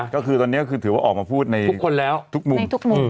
ก็คือตอนนี้ถือว่าออกมาพูดในทุกมุม